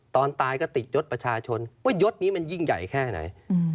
ตอนตายก็ติดยศประชาชนว่ายศนี้มันยิ่งใหญ่แค่ไหน